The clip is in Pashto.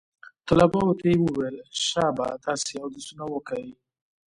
طلباو ته يې وويل شابه تاسې اودسونه وکئ.